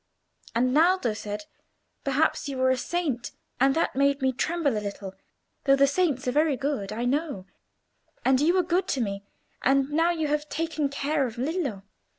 And Naldo said, perhaps you were a saint, and that made me tremble a little, though the saints are very good, I know; and you were good to me, and now you have taken care of Lillo.